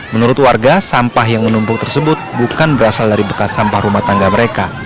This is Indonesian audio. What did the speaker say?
menurut warga sampah yang menumpuk tersebut bukan berasal dari bekas sampah rumah tangga mereka